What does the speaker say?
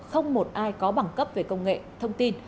không một ai có bằng cấp về công nghệ thông tin